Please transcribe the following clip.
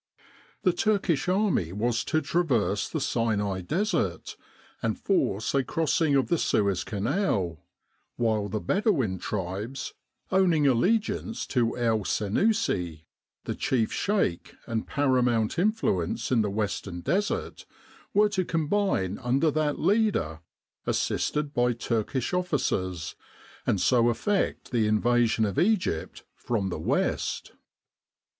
The Turkish army was to traverse the Sinai Desert, and force a crossing of the Suez Canal ; while the Bedouin tribes, owning allegiance to El Sennussi, the chief Sheik and paramount influence in the Western Desert, were to combine under that leader assisted by Turkish officers, and so effect the invasion of Egypt from the west.